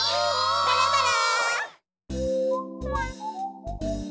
バラバラ！